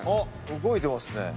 動いてますね。